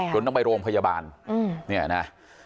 ต้องไปโรงพยาบาลเนี่ยนะ